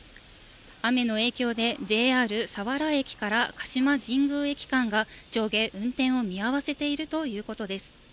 雨の影響でＪＲ佐原駅から鹿島神宮駅間が、上下運転を見合わせているということです。